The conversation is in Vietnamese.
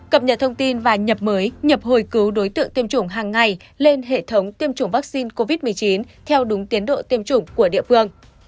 cập nhật thông tin và nhập mới nhập hồi cứu đối tượng tiêm chủng hàng ngày lên hệ thống tiêm chủng vaccine covid một mươi chín theo đúng tiến độ tiêm chủng của địa phương